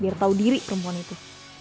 biar tahu diri perempuan itu